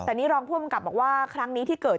แต่นี่รองผู้กำกับบอกว่าครั้งนี้ที่เกิด